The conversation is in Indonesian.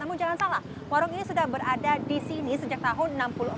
namun jangan salah warung ini sudah berada di sini sejak tahun seribu sembilan ratus empat puluh